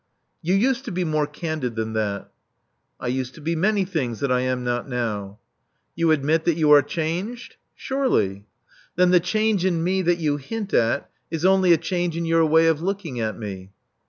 You used to be more candid than that." I used to be many things that I am not now." *'You admit that you are changed?" Surely." Then the change in me that you hint at is only a change in your way of looking at me."